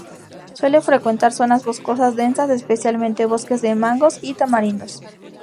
Suele frecuentar zonas boscosas densas, especialmente bosques de mangos y tamarindos.